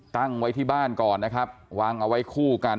ตั้งไว้ที่บ้านก่อนนะครับวางเอาไว้คู่กัน